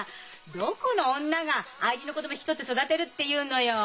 どこの女が愛人の子供引き取って育てるっていうのよ。